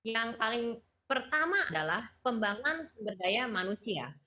yang paling pertama adalah pembangunan sumber daya manusia